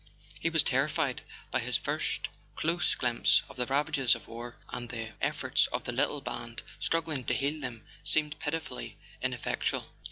He was terrified by his first close glimpse of the ravages of war, and the efforts of the little band struggling to heal them seemed pitifully ineffectual.